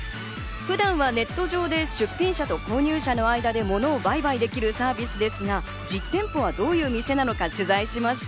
普段はネット上で出品者と購入者の間で物を売買できるサービスですが、実店舗はどういう店なのか取材しました。